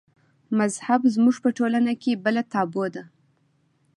مذهب زموږ په ټولنه کې بله تابو ده.